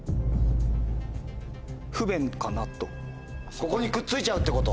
ここにくっついちゃうってこと？